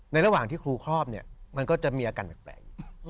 ระหว่างที่ครูครอบเนี่ยมันก็จะมีอาการแปลก